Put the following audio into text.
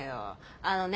あのね